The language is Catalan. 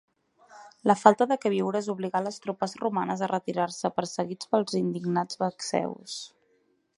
La falta de queviures obligà les tropes romanes a retirar-se perseguits pels indignats vacceus.